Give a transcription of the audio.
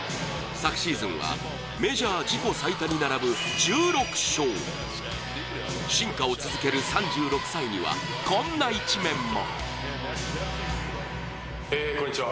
昨シーズンはメジャー自己最多に並ぶ１６勝、進化を続ける３６歳にはこんな一面も。